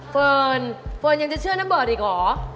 เฟิร์นยังจะเชื่อน้ำเบิร์ดอีกหรอ